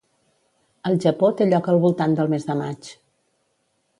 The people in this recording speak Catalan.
Al Japó té lloc al voltant del mes de maig.